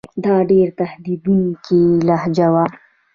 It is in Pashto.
دا ډېره تهدیدوونکې لهجه وه.